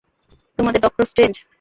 তোমাদের Doctor strange?